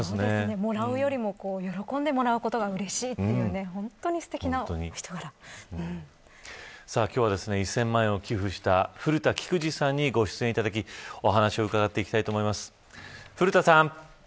もらうよりも喜んでもらうことがうれしいという今日は１０００万円を寄付した古田喜久治さんにご出演いただきお話を伺っていきたいと思います。